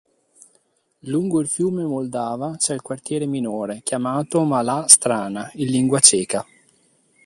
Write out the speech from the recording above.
Lungo il fiume Moldava c'è il Quartiere Minore, chiamato "Malá Strana" in lingua ceca.